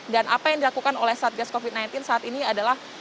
dan apa yang dilakukan oleh satgas covid sembilan belas saat ini adalah